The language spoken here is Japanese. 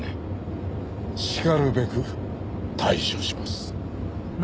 しかるべく対処します。